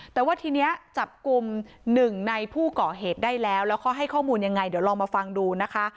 แต่ว่าทีนี้จับกลุ่มหนึ่งในผู้ก่อเหตุได้แล้วแล้วเขาให้ข้อมูลยังไงเดี๋ยวลองมาฟังดูนะคะ